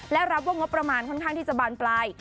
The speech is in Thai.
และรับว่างบประมาณค่อนข้างที่จะบานปลาย